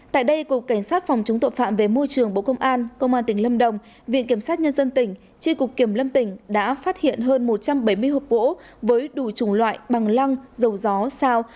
tại đây cục cảnh sát phòng chống tội phạm về môi trường bộ công an công an tỉnh lâm đồng viện kiểm sát nhân dân tỉnh tri cục kiểm lâm tỉnh đã phát hiện hơn một trăm bảy mươi hộp gỗ với đủ chủng loại bằng lăng dầu gió sao